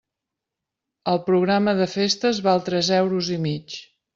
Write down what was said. El programa de festes val tres euros i mig.